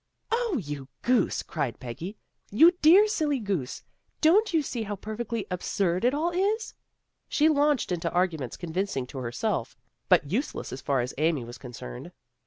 " O, you goose! " cried Peggy. " You dear silly goose! Don't you see how perfectly ab surd it all is? " She launched into arguments convincing to herself, but useless as far as Amy was concerned.